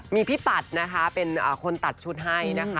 มีพี่ปัดนะคะเป็นคนตัดชุดให้นะคะ